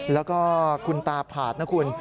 แล้วก็คุณตาผาดนะคุณ